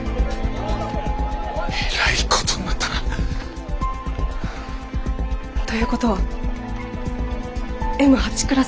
えらいことになったな。ということはＭ８クラスがもう一度。